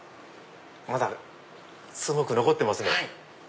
まだすごく残ってますね。